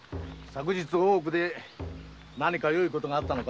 大奥で何かよいことがあったのか？